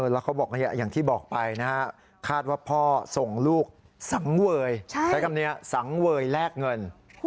แล้วเขาบอกอย่างที่บอกไปนะฮะคาดว่าพ่อส่งลูกสังเวยใช้คำนี้สังเวยแลกเงิน